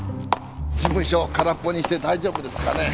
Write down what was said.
事務所空っぽにして大丈夫ですかねぇ。